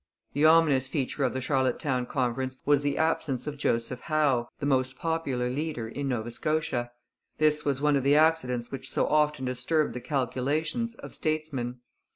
The ominous feature of the Charlottetown Conference was the absence of Joseph Howe, the most popular leader in Nova Scotia. This was one of the accidents which so often disturb the calculations of statesmen.